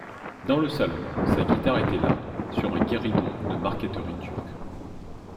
Dans le salon, sa guitare était là, sur un guéridon de marqueterie turque.